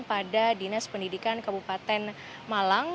pada dinas pendidikan kabupaten malang